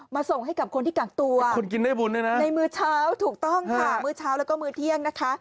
มาส่งให้กับคนที่กลางตัวนะครับในมือเช้าถูกต้องค่ะมือเช้าแล้วก็มือเที่ยงนะคะ